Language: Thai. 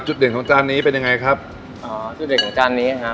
จุดเด่นของจานนี้เป็นยังไงครับอ๋อจุดเด่นของจานนี้ครับ